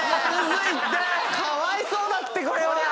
かわいそうだってこれは。